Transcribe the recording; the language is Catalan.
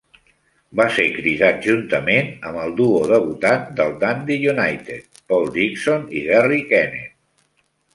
Va ser cridat juntament amb el duo debutant del Dundee United, Paul Dixon i Garry Kenneth.